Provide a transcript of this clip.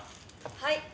はい。